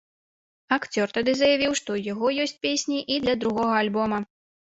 Акцёр тады заявіў, што ў яго ёсць песні і для другога альбома.